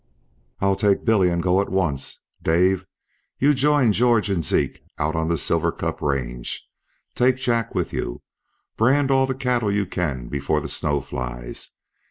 "I'll take Billy and go at once. Dave, you join George and Zeke out on the Silver Cup range. Take Jack with you. Brand all the cattle you can before the snow flies.